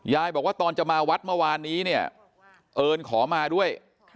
บอกว่าตอนจะมาวัดเมื่อวานนี้เนี่ยเอิญขอมาด้วย